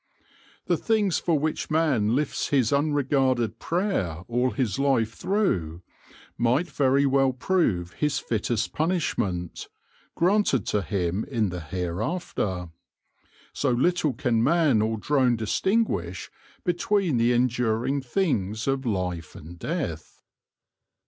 The things for which man lifts his unregarded prayer all his life through, might very well prove his fittest punish ment, granted to him in the Hereafter : so little can man or drone distinguish between the enduring things of life and death.